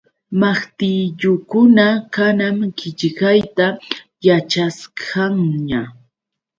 Maqtillukuna kanan qillqayta yaćhasqanña.